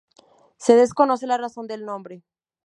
Se desconoce la razón del nombre.